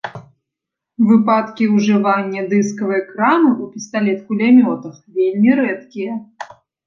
Выпадкі ўжывання дыскавай крамы ў пісталет-кулямётах вельмі рэдкія.